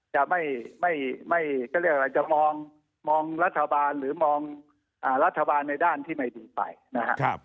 จะไม่ไม่ไม่ก็เรียกว่าจะมองมองรัฐบาลหรือมองอ่ารัฐบาลในด้านที่ไม่ดีไปนะฮะครับ